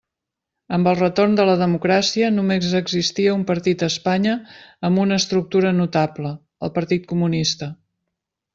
Amb el retorn de la democràcia, només existia un partit a Espanya amb una estructura notable: el Partit Comunista.